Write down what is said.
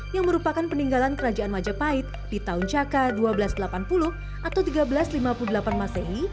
yang merupakan peninggalan kerajaan majapahit di tahun caka seribu dua ratus delapan puluh atau seribu tiga ratus lima puluh delapan masehi